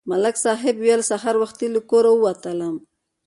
ملک صاحب ویل: سهار وختي له کوره ووتلم.